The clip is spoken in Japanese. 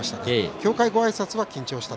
協会ごあいさつは緊張した。